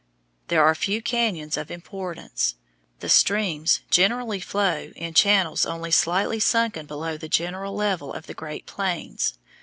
There are few cañons of importance. The streams generally flow in channels only slightly sunken below the general level of the Great Plains.